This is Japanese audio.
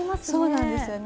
そうなんですよね。